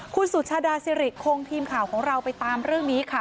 คุณสุชาดาสิริคงทีมข่าวของเราไปตามเรื่องนี้ค่ะ